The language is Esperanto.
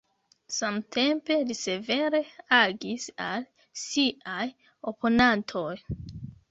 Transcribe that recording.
Samtempe li severe agis al siaj oponantoj.